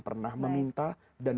pernah meminta dan